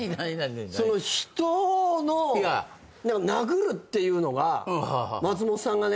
人の殴るっていうのが松本さんがね。